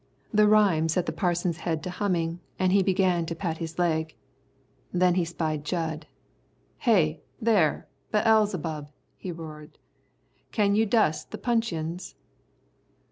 The rhyme set the Parson's head to humming, and he began to pat his leg. Then he spied Jud. "Hey, there! Beelzebub," he roared, "can you dust the puncheons?"